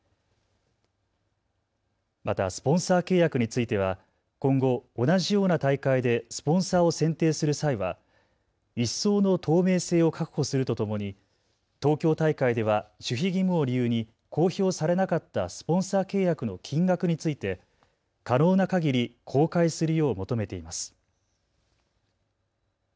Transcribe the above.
またスポンサー契約については今後、同じような大会でスポンサーを選定する際は一層の透明性を確保するとともに東京大会では守秘義務を理由に公表されなかったスポンサー契約の金額について可能なかぎり公開するよう求めています。